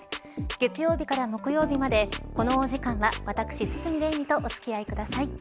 月曜日から木曜日までこのお時間は私、堤礼実とお付き合いください。